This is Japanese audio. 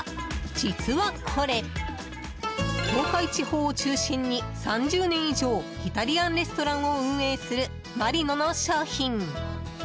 実はこれ東海地方を中心に３０年以上イタリアンレストランを運営するマリノの商品。